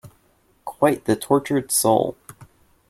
Quite the tortured soul.